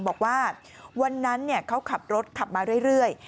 บอกว่าวันนั้นเขาขับรถขับมาเรื่อย